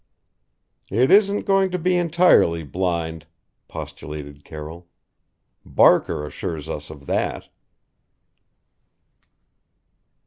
"It isn't going to be entirely blind," postulated Carroll. "Barker assures us of that!"